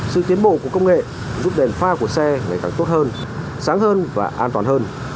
sự tiến bộ của công nghệ giúp đèn pha của xe ngày càng tốt hơn sáng hơn và an toàn hơn